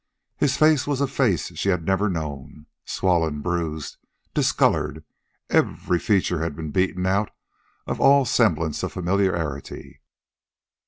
His face was a face she had never known. Swollen, bruised, discolored, every feature had been beaten out of all semblance of familiarity.